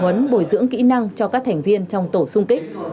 có cơ chế tập huấn bồi dưỡng kỹ năng cho các thành viên trong tổ sung kích